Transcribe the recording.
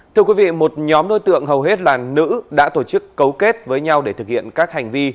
thưa quý vị một nhóm đối tượng hầu hết là nữ đã tổ chức cấu kết với nhau để thực hiện các hành vi